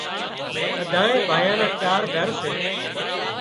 ٻڌائي ڀائيان نا چار گھر سي